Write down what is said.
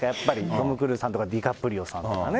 トム・クルーズさんとか、ディカプリオさんとかね。